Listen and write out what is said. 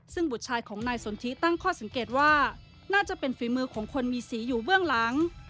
ซึ่งบุตรชายของนายสนทิตั้งข้อสังเกตว่าน่าจะเป็นฝีมือของคนมีสีอยู่เบื้องหลัง